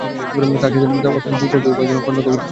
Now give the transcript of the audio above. তার সাথে সাথে অত্যন্ত দুঃসাহসী কয়েকজন খন্দক অতিক্রম করল।